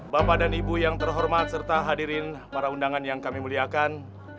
bapak dan ibu yang terhormat serta hadirin para undangan yang kami muliakan